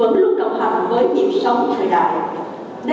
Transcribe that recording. vẫn luôn đồng hành với việc sống thời đại